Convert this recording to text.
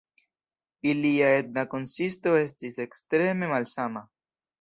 Ilia etna konsisto estis ekstreme malsama.